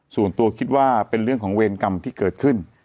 ส่วนตัวคิดว่าเป็นเรื่องของเวรกรรมที่เกิดขึ้น